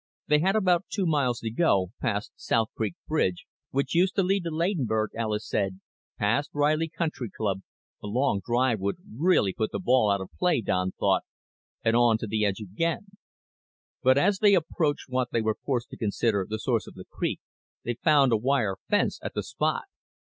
They had about two miles to go, past South Creek Bridge which used to lead to Ladenburg, Alis said past Raleigh Country Club (a long drive would really put the ball out of play, Don thought) and on to the edge again. But as they approached what they were forced to consider the source of the creek, they found a wire fence at the spot.